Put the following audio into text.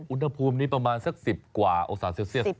อุณหภูมินี้ประมาณสัก๑๐กว่าอเซียบ